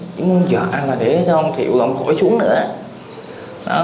chỉ muốn dọa mà để cho ông thiệu không khỏi xuống nữa á